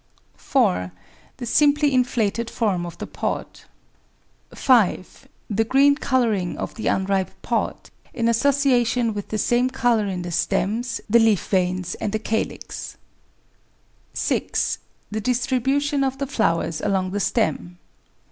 4. The simply inflated form of the pod. 5. The green colouring of the unripe pod in association with the same colour in the stems, the leaf veins and the calyx. 6. The distribution of the flowers along the stem.